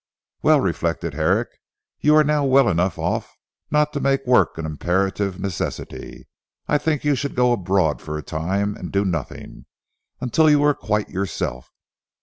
"Well!" reflected Herrick, "you are now well enough off not to make work an imperative necessity. I think you should go abroad for a time, and do nothing, until you are quite yourself.